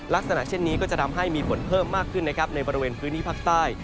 ลักษณะเช่นนี้ก็จะทำให้มีฝนเพิ่มมากขึ้นนะครับในบริเวณพื้นที่ภาคใต้